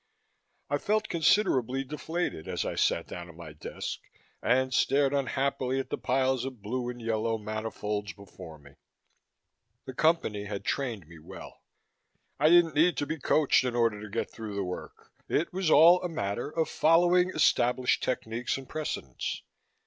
I felt considerably deflated as I sat down at my desk and stared unhappily at the piles of blue and yellow manifolds before me. The Company had trained me well. I didn't need to be coached in order to get through the work; it was all a matter of following established techniques and precedents.